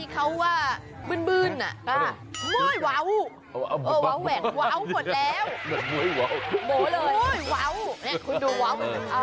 คุณดูว้าวมันขึ้นจน